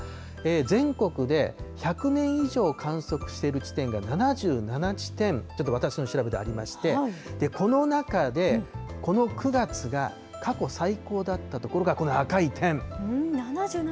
全国で１００年以上観測している地点が７７地点、ちょっと私の調べでありまして、この中で、この９月が過去最高だった所がこの赤い点。